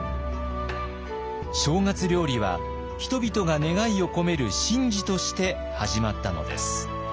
正月料理は人々が願いを込める神事として始まったのです。